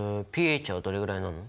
ｐＨはどれぐらいなの？